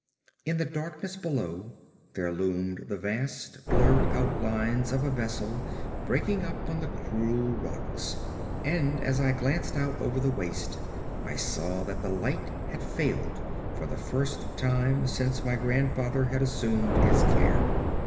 In the darkness below there loomed the vast blurred outlines of a vessel breaking up on the cruel rocks, and as I glanced out over the waste I saw that the light had failed for the first time since my grandfather had assumed its care.